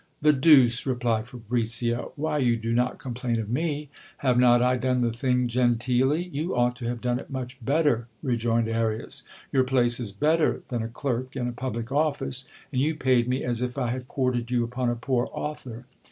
The deuce ! replied Fabricio, why you do not complain of me ? Have not I done the thing genteelly ? You ought to have done it much better, rejoined Arias : your place is better than a clerk in a public office, and you paid me as if I had quartered you upon a poor author.